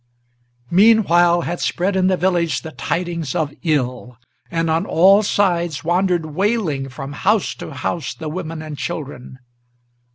Meanwhile had spread in the village the tidings of ill, and on all sides Wandered, wailing, from house to house the women and children.